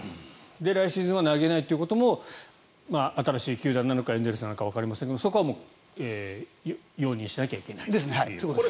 で、来シーズンは投げないということも新しい球団なのかエンゼルスなのかわかりませんがそういうことですね。